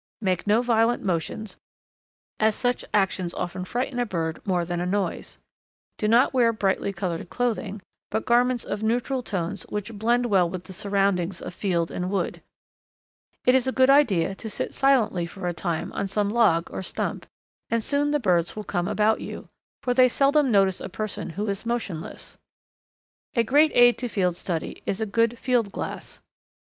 Make no violent motions, as such actions often frighten a bird more than a noise. Do not wear brightly coloured clothing, but garments of neutral tones which blend well with the surroundings of field and wood. It is a good idea to sit silently for a time on some log or stump, and soon the birds will come about you, for they seldom notice a person who is motionless. A great aid to field study is a good Field Glass.